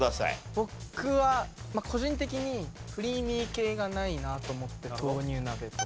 僕は個人的にクリーミー系がないなと思って豆乳鍋とか。